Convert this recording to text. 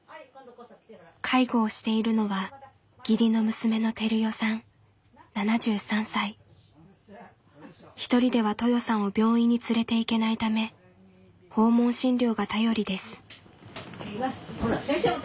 介護をしているのは一人ではトヨさんを病院に連れていけないため訪問診療が頼りです。